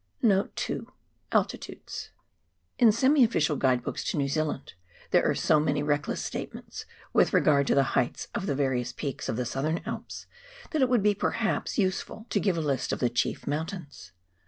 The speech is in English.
NOTE II. ALTITUDES. In semi official guide books to New Zealand there arc so many reckless statements with regard to the heights of the various peaks of the Southern Alps that it would be, perhaps, useful to give a list 320 APPENDIX. of the chief mountains.